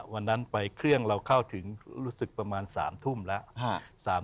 วันนั้นไปเครื่องเราเข้าถึงรู้สึกประมาณ๓ทุ่มแล้ว